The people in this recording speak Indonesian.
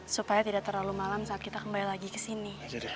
supaya tidak terlalu malam saat kita kembali lagi kesini